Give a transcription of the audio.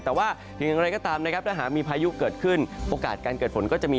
แต่ว่าอย่างไรก็ตามนะครับถ้าหากมีพายุเกิดขึ้นโอกาสการเกิดฝนก็จะมี